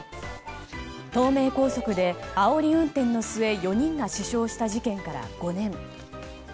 東名高速であおり運転の末４人が死傷した事件から５年。